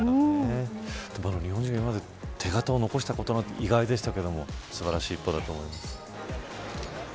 日本人が今まで手形を残したことがないのは意外でしたが素晴らしいことだと思います。